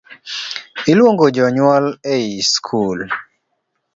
Iluongo jonyuol ie skul .